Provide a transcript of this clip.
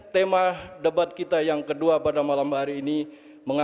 dan debt harga tenang di lembah sekitar queen beach daniq british selangor